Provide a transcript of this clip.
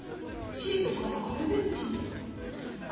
チリとかアルゼンチンとか。